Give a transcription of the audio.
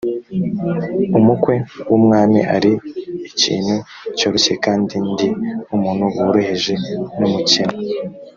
umukwe w umwami ari ikintu cyoroshye kandi ndi umuntu woroheje n umukene